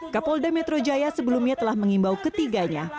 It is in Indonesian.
ke polda metro jaya sebelumnya telah mengimbau ketiganya